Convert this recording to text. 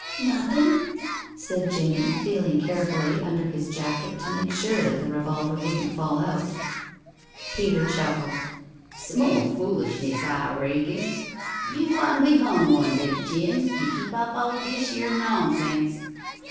"Nothin'," said Jimmie, feeling carefully under his jacket to make sure that the revolver wouldn't fall out. Peter chuckled. "S'more foolishness, I raikon. You gwine be hung one day, Jim, you keep up all dish yer nonsense."